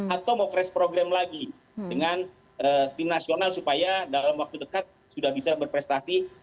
atau mau crash program lagi dengan tim nasional supaya dalam waktu dekat sudah bisa berprestasi